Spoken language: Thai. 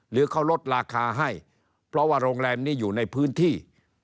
หรือเขาลดราคาให้เพราะว่าโรงแรมนี้อยู่ในพื้นที่